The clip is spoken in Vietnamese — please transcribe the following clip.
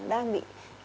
đang bị ô nhiễm